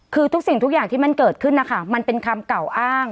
คือทุกสิ่งทุกอย่างที่มันเกิดขึ้นนะคะมันเป็นคำกล่าวอ้าง